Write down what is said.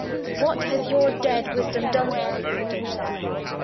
What has your dead wisdom done for you, my daughter?